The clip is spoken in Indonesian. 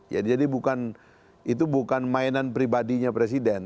jadi itu bukan mainan pribadinya presiden